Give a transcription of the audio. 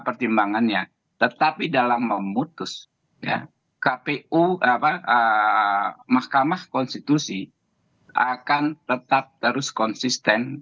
pertimbangannya tetapi dalam memutus ya kpu mahkamah konstitusi akan tetap terus konsisten